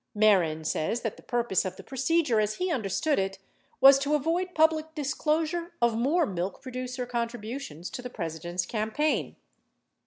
Mehren says that the purpose of the procedure as he understood it was to avoid public disclosure of more milk producer contributions to the President's campaign.